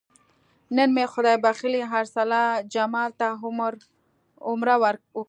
نن مې خدای بښلي ارسلا جمال ته عمره وکړه.